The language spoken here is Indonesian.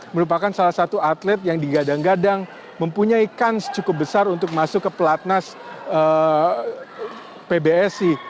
merupakan salah satu atlet yang digadang gadang mempunyai kans cukup besar untuk masuk ke pelatnas pbsi